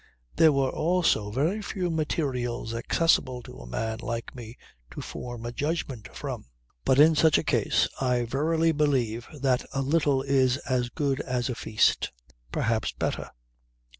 There were also very few materials accessible to a man like me to form a judgment from. But in such a case I verify believe that a little is as good as a feast perhaps better.